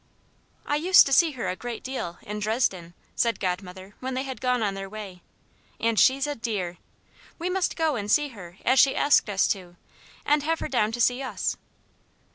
"I used to see her a great deal, in Dresden," said Godmother when they had gone on their way, "and she's a dear. We must go and see her as she asked us to, and have her down to see us."